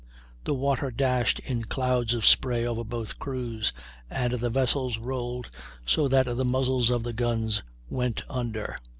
The water dashed in clouds of spray over both crews, and the vessels rolled so that the muzzles of the guns went under.